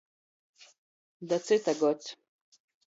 Da cyta gods.